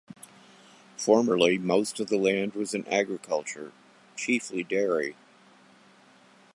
Formerly most of the land was in agriculture, chiefly dairy.